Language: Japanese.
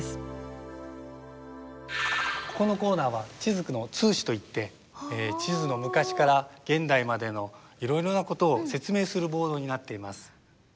ここのコーナーは地図の通史といって地図の昔から現代までのいろいろなことを説明するボードになっています。